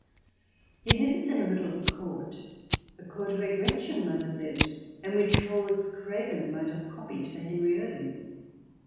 He lives in a little court — a court where Gretchen might have lived, and which Hawes Craven might have copied for Henry Irving.